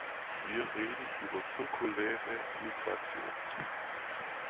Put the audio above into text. Wir reden über zirkuläre Migration.